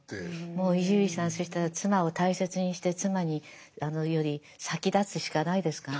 もう伊集院さんそしたら妻を大切にして妻より先立つしかないですかね。